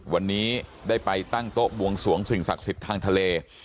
วันนี้ได้ไปตั้งโต๊ะบวงสวงสิ่งศักดิ์สิทธิ์ทางทะเล